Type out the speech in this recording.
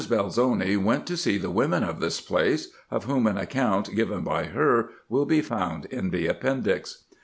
Belzoni went to see the women of this place ; of whom an account, given by her, will be found in the Appendix.